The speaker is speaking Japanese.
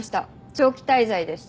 長期滞在です。